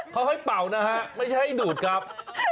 เขาให้เป่านะฮะไม่ใช่ให้ดูดครับ